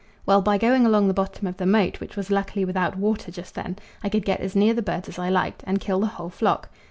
Well, by going along the bottom of the moat, which was luckily without water just then, I could get as near the birds as I liked and kill the whole flock.